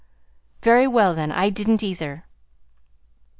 "Very well, then. I didn't, either."